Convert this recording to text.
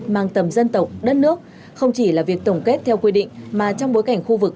mang tầm dân tộc đất nước không chỉ là việc tổng kết theo quy định mà trong bối cảnh khu vực